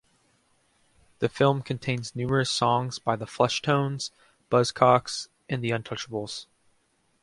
The film contains numerous songs by The Fleshtones, Buzzcocks and The Untouchables.